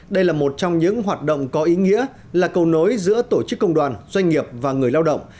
đây là một trong những hoạt động có ý nghĩa là cầu nối giữa tổ chức công đoàn doanh nghiệp và người lao động